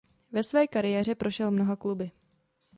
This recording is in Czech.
Ve své kariéře prošel mnoha kluby.